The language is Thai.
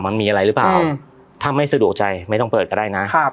มันมีอะไรหรือเปล่าถ้าไม่สะดวกใจไม่ต้องเปิดก็ได้นะครับ